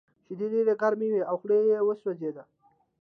شیدې ډېرې ګرمې وې او خوله یې وسوځېده